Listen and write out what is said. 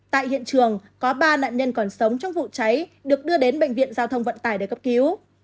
tại hiện trường có ba nạn nhân còn sống trong vụ cháy được đưa đến bệnh viện giao thông vận tải để cấp cứu